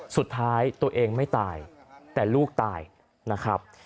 สุดท้ายตัวเองไม่ตายแต่ลูกตายนะครับ